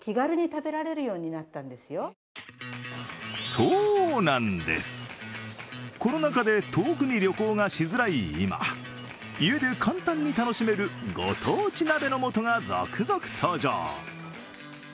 そうなんです、コロナ禍で遠くに旅行がしづらい今、家で簡単に楽しめる御当地鍋の素が続々登場。